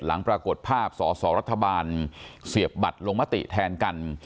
ปรากฏภาพสอสอรัฐบาลเสียบบัตรลงมติแทนกัน